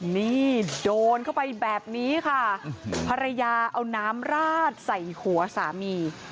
นี่โดนเข้าไปแบบนี้ค่ะภรรยาเอาน้ำราดใส่หัวสามี